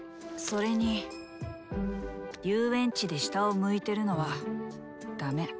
それに遊園地で下を向いてるのはだめ。